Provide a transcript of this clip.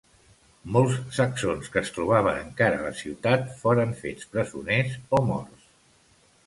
Molts saxons que es trobaven encara a la ciutat foren fets presoners o morts.